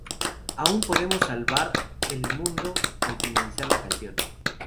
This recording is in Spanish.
Aún podemos salvar el mundo" al finalizar la canción.